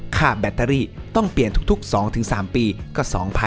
ค่าแบตเตอรี่ต้องเปลี่ยนทุก๒๓ปีก็๒๐๐๐